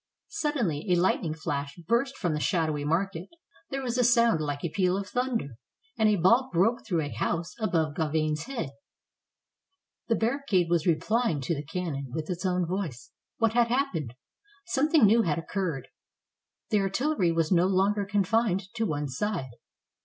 Suddenly a lightning flash burst from the shadowy market; there was a sound like a peal of thunder, and a ball broke through a house above Gauvain's head. The barricade was replying to the cannon with its own voice. What had happened? Something new had occurred. The artillery was no longer confined to one side.